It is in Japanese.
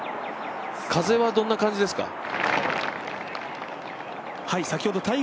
風はどんな感じですか？